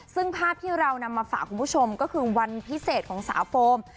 ซึ่งภาพที่เรานำมาฝากคุณผู้ชมก็คือวันพิเศษของสาวโฟม